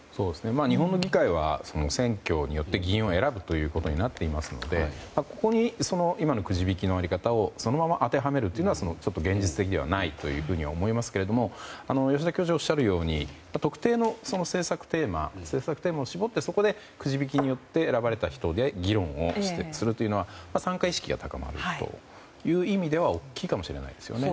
日本の議会は選挙によって議員を選ぶことになっていますのでここに今のくじ引きの在り方をそのまま当てはめるというのはちょっと現実的ではないと思いますが、吉田教授がおっしゃるように特定の政策テーマを絞ってそこでくじ引きによって選ばれた人で議論をするのは参加意識が高まるという意味では大きいかもしれないですよね。